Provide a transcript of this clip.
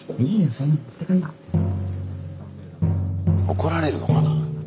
怒られるのかな？